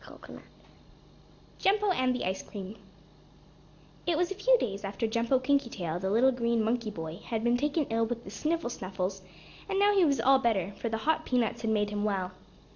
STORY V JUMPO AND THE ICE CREAM It was a few days after Jumpo Kinkytail, the little green monkey boy, had been taken ill with the sniffle snuffles, and now he was all better, for the hot peanuts had made him well.